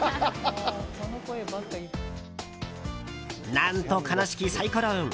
何と悲しきサイコロ運。